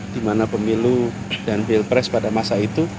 di mana pemilu dan pilpres pada masa itu